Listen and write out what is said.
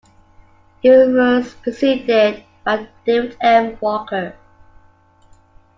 He was preceded by David M. Walker.